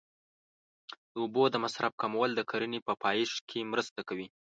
د اوبو د مصرف کمول د کرنې په پایښت کې مرسته کوي.